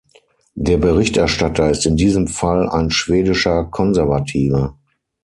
Der Berichterstatter ist in diesem Fall ein schwedischer Konservativer.